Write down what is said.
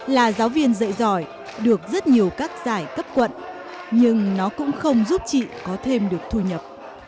là giáo viên dạy giỏi được rất nhiều các giải cấp quận nhưng nó cũng không giúp chị có thêm được thu nhập